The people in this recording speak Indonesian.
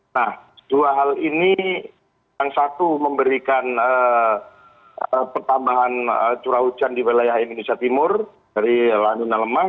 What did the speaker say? nah dua hal ini yang satu memberikan pertambahan curah hujan di wilayah indonesia timur dari lanuna lemah